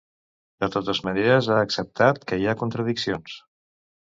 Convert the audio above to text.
De totes maneres, ha acceptat que hi ha "contradiccions".